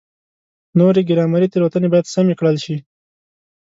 نورې ګرامري تېروتنې باید سمې کړل شي.